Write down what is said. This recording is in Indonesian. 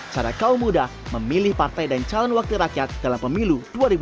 cara kaum muda memilih partai dan calon wakil rakyat dalam pemilu dua ribu dua puluh